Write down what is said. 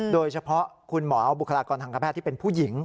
โดยเฉพาะคุณหมอบุคลากรทางการแพทย์ที่เป็นผู้หญิง